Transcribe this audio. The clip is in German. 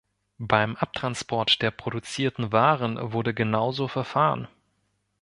Beim Abtransport der produzierten Waren wurde genauso verfahren.